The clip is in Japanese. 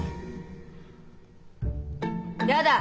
やだ！